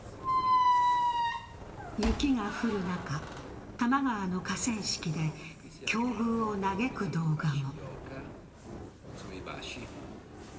雪が降る中、多摩川の河川敷で境遇を嘆く動画も。